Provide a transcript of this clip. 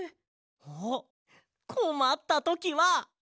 あっこまったときは。